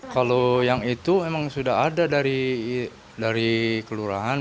kalau yang itu memang sudah ada dari kelurahan